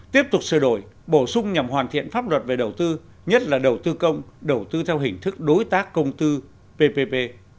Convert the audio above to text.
tiếp tục sửa đổi bổ sung nhằm hoàn thiện pháp luật về đầu tư nhất là đầu tư công đầu tư theo hình thức đối tác công tư ppp